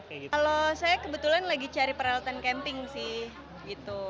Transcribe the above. kalau saya kebetulan lagi cari peralatan camping sih gitu